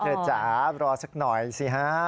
เธอจ้ะไม่รอสักหน่อยสิฮะ